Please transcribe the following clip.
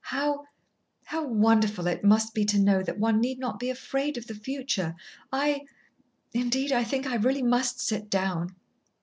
How how wonderful it must be to know that one need not be afraid of the future! I indeed, I think I really must sit down."